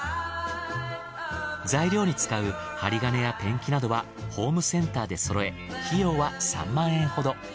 材料に使う針金やペンキなどはホームセンターでそろえ費用は３万円ほど。